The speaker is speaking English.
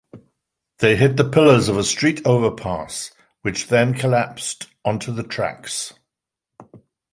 They hit the pillars of a street overpass, which then collapsed onto the tracks.